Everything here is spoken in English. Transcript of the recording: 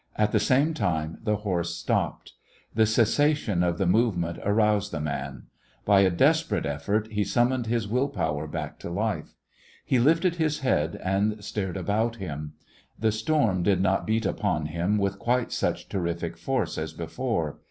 At the same time the horse stopped. The cessation of the movement aroused the man. . By a desperate effort he summoned his will power back to life. He lifted his head and stared about him. The storm did not beat upon him with quite such terrific force as before.